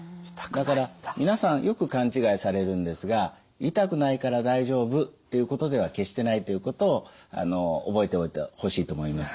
だから皆さんよく勘違いされるんですが「痛くないから大丈夫」っていうことでは決してないということを覚えておいてほしいと思います。